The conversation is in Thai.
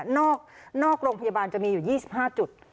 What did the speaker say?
นอกโรงพยาบาลจะมีอยู่๒๕จุด